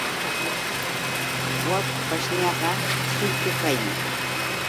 Wak pashñaqa churchu kayan.